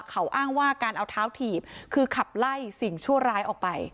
เขาอ้างว่าการเอาเท้าถีบคือขับไล่สิ่งชั่วร้ายออกไป